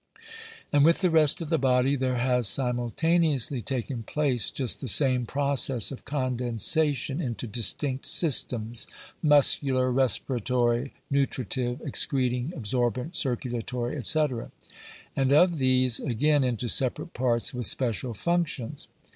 And with the rest of the body there has simultaneously taken place just the same process of condensation into distinct systems — muscular, re spiratory, nutritive, excreting, absorbent, circulatory, &c. — and of these again into separate parts, with special functions.